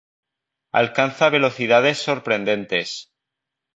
Alcanza velocidades sorprendentes.